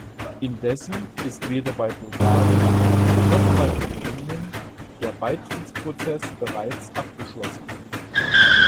Indessen ist weder bei Bulgarien noch bei Rumänien der Beitrittsprozess bereits abgeschlossen.